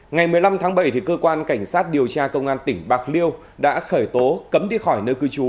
ngày một mươi năm tháng bảy cơ quan cảnh sát điều tra công an tỉnh bạc liêu đã khởi tố cấm đi khỏi nơi cư trú